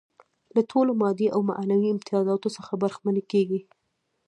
له ټولو مادي او معنوي امتیازاتو څخه برخمنې کيږي.